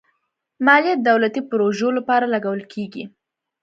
مالیه د دولتي پروژو لپاره لګول کېږي.